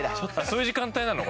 そういう時間帯なの？